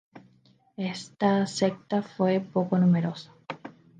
Esta secta fue poco numerosa.